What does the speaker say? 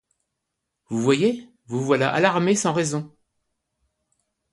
Vous voyez, vous voilà alarmés sans raison.